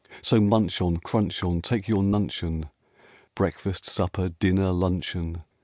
So munch on, crunch on, take your nuncheon, Breakfast, supper, dinner, luncheon!'